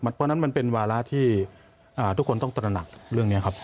เพราะฉะนั้นมันเป็นวาระที่ทุกคนต้องตระหนักเรื่องนี้ครับ